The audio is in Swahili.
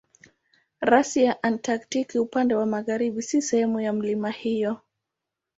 Rasi ya Antaktiki upande wa magharibi si sehemu ya milima hiyo.